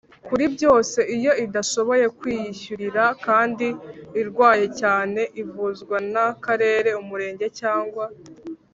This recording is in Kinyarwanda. kuri byose Iyo idashoboye kwiyishyurira kandi irwaye cyane ivuzwa n Akarere Umurenge cyangwa